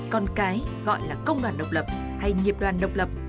còn cái gọi là công đoàn độc lập hay nghiệp đoàn độc lập